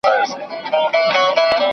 موثقه وینا د څېړني بنسټ ده.